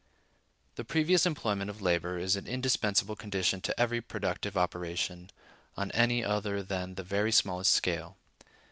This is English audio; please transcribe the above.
The previous employment of labor is an indispensable condition to every productive operation, on any other than the very smallest scale.